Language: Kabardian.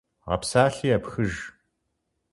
Гъэпсалъи епхыж.